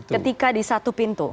ketika di satu pintu